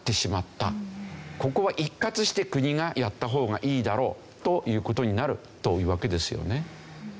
ここは一括して国がやった方がいいだろうという事になるというわけですよね。